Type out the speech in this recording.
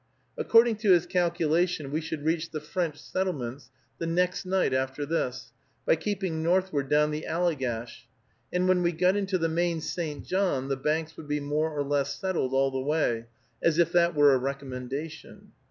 According to his calculation, we should reach the French settlements the next night after this, by keeping northward down the Allegash, and when we got into the main St. John the banks would be more or less settled all the way; as if that were a recommendation.